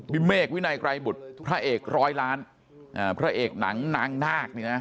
พี่เมฆวินัยไกรบุตรพระเอกร้อยล้านพระเอกหนังนางนาก